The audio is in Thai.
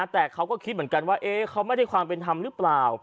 แต่เขาก็คิดเหมือนกันว่าเขาไม่ได้ความเป็นธรรมหรือเปล่า